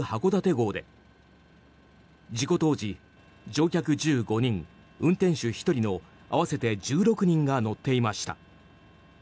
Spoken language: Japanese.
はこだて号で事故当時、乗客１５人運転手１人の合わせて１６人が乗っていました。